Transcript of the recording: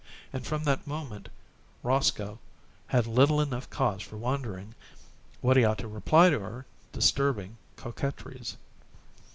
And from that moment Roscoe had little enough cause for wondering what he ought to reply to her disturbing coquetries.